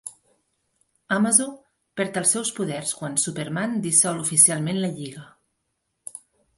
Amazo perd els seus poders quan Superman dissol oficialment la lliga.